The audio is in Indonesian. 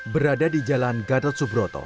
berada di jalan gatot subroto